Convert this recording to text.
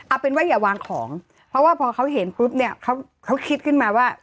เอาเป็นว่าอย่าวางของเพราะว่าพอเขาเห็นปุ๊บเนี่ยเขาคิดขึ้นมาว่า